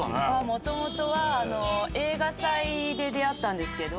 「もともとは映画祭で出会ったんですけど」